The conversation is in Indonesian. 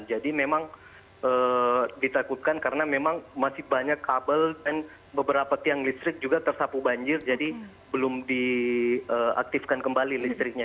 jadi memang ditakutkan karena memang masih banyak kabel dan beberapa tiang listrik juga tersapu banjir jadi belum diaktifkan kembali listriknya